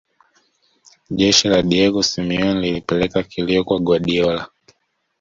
jeshi la diego semeon lilipeleka kilio kwa guardiola